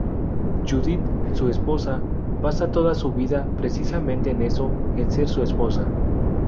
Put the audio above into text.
Judith, su esposa, basa toda su vida precisamente en eso, en ser su esposa.